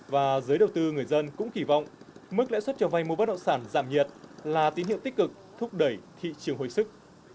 và giới đầu tư người dân cũng kỳ vọng mức lãi suất cho vay mua bất động sản giảm nhiệt là tín hiệu tích cực thúc đẩy thị trường hồi sức